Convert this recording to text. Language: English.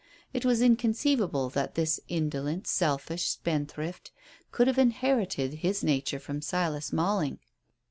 It was inconceivable that this indolent, selfish spendthrift could have inherited his nature from Silas Malling.